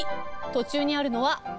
途中にあるのは「ま」「え」